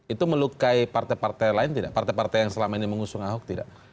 itu melukai partai partai lain tidak partai partai yang selama ini mengusung ahok tidak